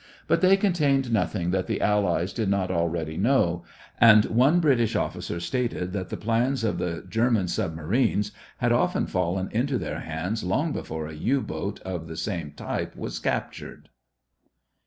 But they contained nothing that the Allies did not already know, and one British officer stated that the plans of the German submarines had often fallen into their hands long before a U boat of the same type was captured!